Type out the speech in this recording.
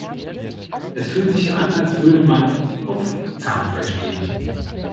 Es fühlt sich an, als würde man auf Zahnfleisch gehen.